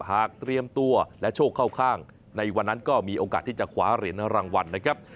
หากเตรียมตัวและโชคเข้าข้างในวันนั้นก็มีโอกาสที่จะคว้าเหรียญรางวัลนะครับ